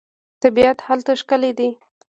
طبیعت هلته ښکلی دی.